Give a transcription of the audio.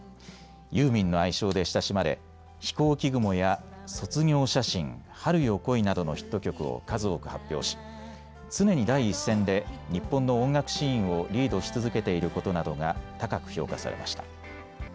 ユーミンの愛称で親しまれひこうき雲や卒業写真、春よ、来いなどのヒット曲を数多く発表し常に第一線で日本の音楽シーンをリードし続けていることなどが高く評価されました。